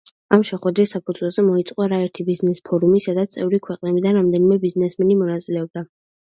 ამ შეხვედრის საფუძველზე მოეწყო არაერთი ბიზნეს ფორუმი, სადაც წევრი ქვეყნებიდან რამდენიმე ბიზნესმენი მონაწილეობდა.